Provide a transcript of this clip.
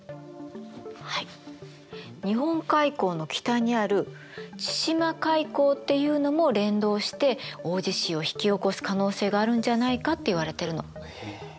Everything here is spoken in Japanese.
日本海溝の北にある千島海溝っていうのも連動して大地震を引き起こす可能性があるんじゃないかっていわれてるの。